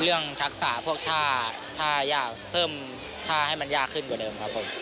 ทักษะพวกท่ายากเพิ่มท่าให้มันยากขึ้นกว่าเดิมครับผม